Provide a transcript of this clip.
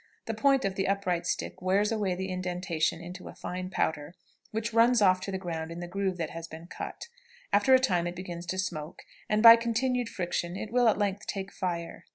The point of the upright stick wears away the indentation into a fine powder, which runs off to the ground in the groove that has been cut; after a time it begins to smoke, and by continued friction it will at length take fire.